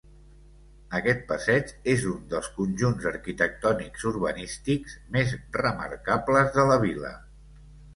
Aquest passeig és un dels conjunts arquitectònics urbanístics més remarcables de la vila.